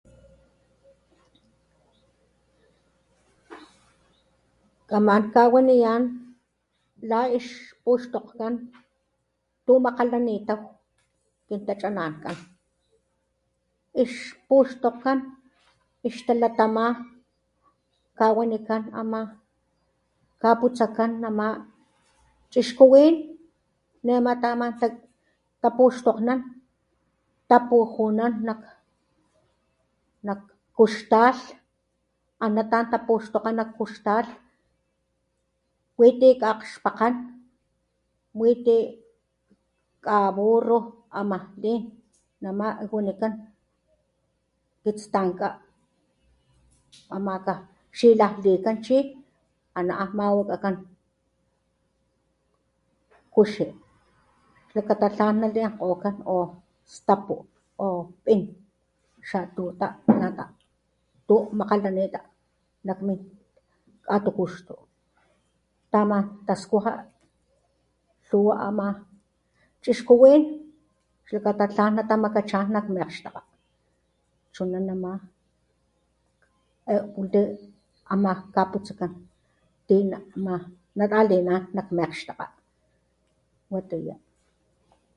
Kaman kawaniyán la ixpuxtokgkan tu makalanitaw, kin tachinankan, ixpuxtokgkan y ixtalatamá kawanikan amá kaputsakán namá chixkuwin ne ama ta aman tapuxtokgnan tapujunan nak kuxtalh ana ta an tapuxtokga nak kuxtal, witi kakxpakán witi ka burro ama lin, namá wanikan kitstanká, amaka xilajlikan chi, ana an mawakakán kuxi lakata tlan na linkokan kuxi,o stapu, o pín, xatuta tu makalanita, nakmin katukuxtu ta aman taskuja lhuwa amá chxkuwin xlakata tlan natamakachán nak mi akgxtakga, chunanamá aaaman ka putsakan ti na talinan nak mi akgxtakga, watiyá